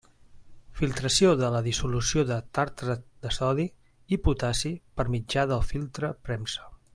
Filtració de la dissolució de tartrat de sodi i potassi per mitjà de filtre premsa.